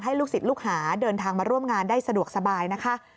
ลูกศิษย์ลูกหาเดินทางมาร่วมงานได้สะดวกสบายนะคะ